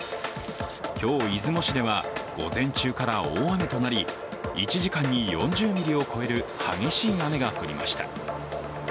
今日、出雲市では午前中から大雨となり、１時間に４０ミリを超える激しい雨が降りました。